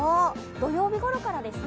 土曜日ごろからですね。